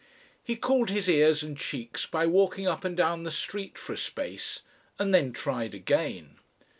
He cooled his ears and cheeks by walking up and down the street for a space, and then tried again.